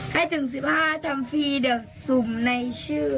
ให้ถึง๑๕ทำฟรีเดี๋ยวสุ่มในชื่อ